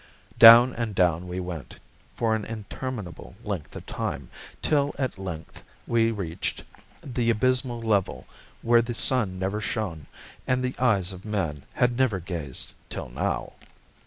Down and down we went, for an interminable length of time till at length we reached the abysmal level where the sun never shone and the eyes of man had never gazed till now.